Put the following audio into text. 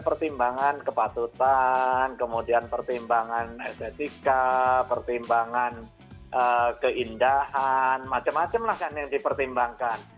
pertimbangan kepatutan kemudian pertimbangan estetika pertimbangan keindahan macam macam lah kan yang dipertimbangkan